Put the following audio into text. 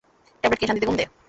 Tablet খেয়ে শান্তিতে ঘুম দে।